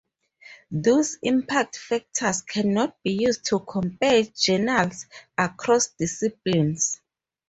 Thus impact factors cannot be used to compare journals across disciplines.